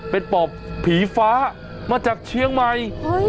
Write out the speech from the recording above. เป็นปอบผีฟ้ามาจากเชียงใหม่